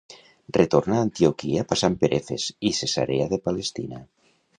Retorna a Antioquia passant per Efes i Cesarea de Palestina.